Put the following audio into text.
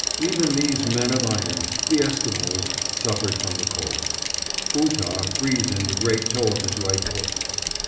Even these men of iron, the Esquimos, suffered from the cold, Ootah freezing the great toe of his right foot.